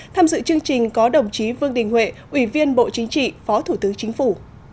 tham dự chương trình có đồng chí vương đình huệ ủy viên bộ chính trị phó thủ tướng chính phủ